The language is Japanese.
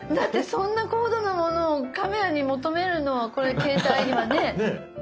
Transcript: そんな高度なものをカメラに求めるのはこれ携帯にはねえ。ねえ。